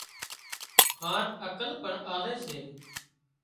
هانَ عقل پڻ آلي سي